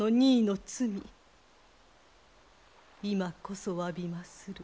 今こそわびまする。